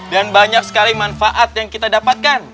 dan banyak sekali manfaat yang kita dapatkan